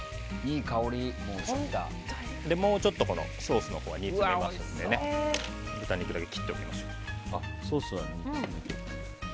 もうちょっとソースのほうは煮詰めますので豚肉だけ切っておきましょう。